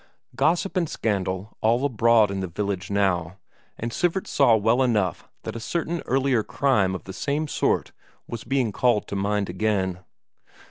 Gossip and scandal all abroad in the village now, and Sivert saw well enough that a certain earlier crime of the same sort was being called to mind again.